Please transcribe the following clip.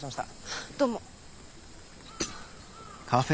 あどうも。